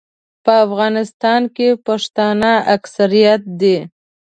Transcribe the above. په افغانستان کې پښتانه اکثریت دي.